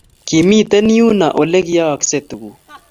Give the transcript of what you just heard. kimito yu noe ole kiyaaksae tuguk